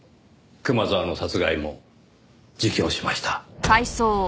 熊沢の殺害も自供しました。